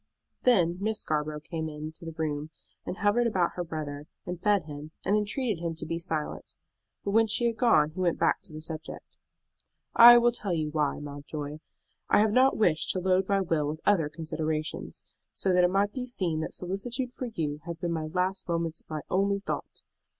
Then Miss Scarborough came into the room, and hovered about her brother, and fed him, and entreated him to be silent; but when she had gone he went back to the subject. "I will tell you why, Mountjoy. I have not wished to load my will with other considerations, so that it might be seen that solicitude for you has been in my last moments my only thought.